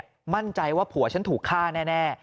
มั่นใจว่าผัวฉันถูกฆ่าแน่